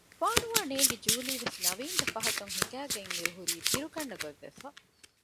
ވާނުވާ ނޭގި ޖޫލީވެސް ނަވީންގެ ފަހަތުން ހިނގައިގަތް އިރު ހުރީ ބިރުގަންނަ ގޮތްވެފަ